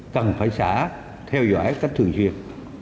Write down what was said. cần phải xả theo dõi cách thường xuyên